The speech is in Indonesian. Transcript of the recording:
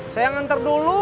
saya nganter dulu